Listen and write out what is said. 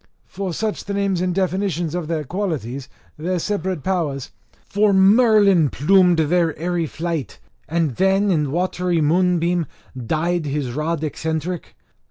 [for such the names and definitions of their qualities, their separate powers.] For Merlin plumed their airy flight, and then in watery moonbeam dyed his rod eccentric.